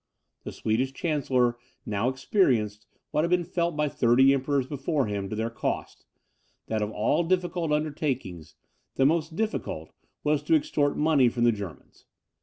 The Swedish chancellor now experienced, what had been felt by thirty emperors before him, to their cost, that of all difficult undertakings, the most difficult was to extort money from the Germans.